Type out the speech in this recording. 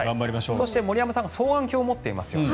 そして森山さんが双眼鏡を持っていますよね。